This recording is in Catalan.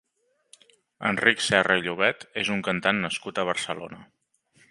Enric Serra i Llobet és un cantant nascut a Barcelona.